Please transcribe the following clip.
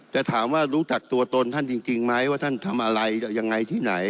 แต่ถามว่ารู้จักตัวตนท่านจริงไหมว่าท่านทำอะไรยังไงที่ไหน